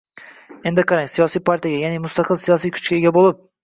Endi qarang, siyosiy partiyalarga, ya’ni mustaqil siyosiy kuchga ega bo‘lib